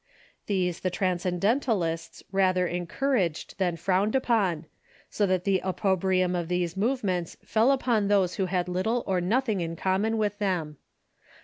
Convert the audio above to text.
These the Transcendentalists rather en couraged than frowned upon, so that the opprobrium of these movements fell upon those who had little or nothing in com mon with them.